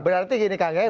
berarti gini kak ngasya